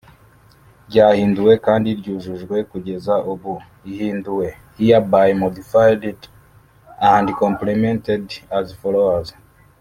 ryahinduwe kandi ryujujwe kugeza ubu ihinduwe hereby modified and complemented as follows